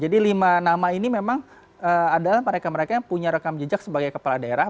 jadi lima nama ini memang adalah mereka mereka yang punya rekam jejak sebagai kepala daerah